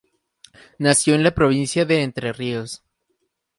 Nació en la provincia de Entre Ríos.